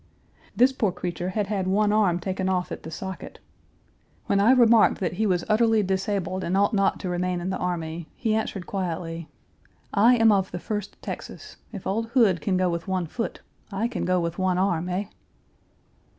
This poor creature had had one arm taken off at the socket. When I remarked that he was utterly disabled and ought not to remain in the army, he answered quietly, "I am of the First Texas. If old Hood can go with one foot, I can go with one arm, eh?"